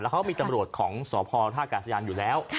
เขามีตำรวจของสพท่ากาศยานอยู่แล้ว